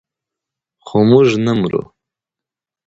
خو موږ نه مرو.